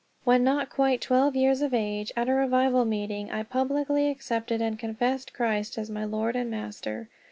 When not quite twelve years of age, at a revival meeting, I publicly accepted and confessed Christ as my Lord and Master.